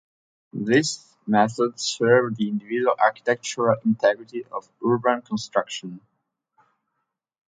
This method served the individual architectural integrity of urban construction.